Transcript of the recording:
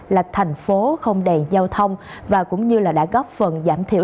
là thành phố không đèn giao thông và cũng như đã góp phần giảm thiểu